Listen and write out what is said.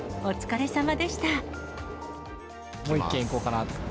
もう１軒行こうかなと。